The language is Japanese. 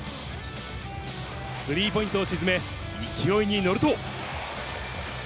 スリーポイントを沈め、勢いに乗ると。